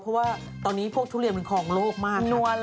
เพราะว่าตอนนี้พวกทุเรียนมันคลองโลกมากครับ